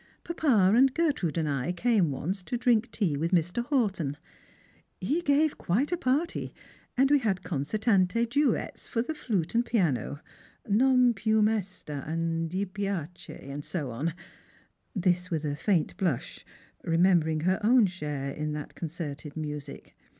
Papa and Gertrude and I came once to drink tea with Mr. Horton. He gave quite a party ; and we had concertante duets for the flute and piano —* Non piu mesta,' and ' Di piacer.' and so on," this with a faint blush, remem bering her own share in that concerted music.